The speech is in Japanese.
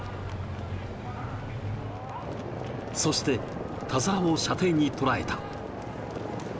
そして、田澤を射程にとらえた。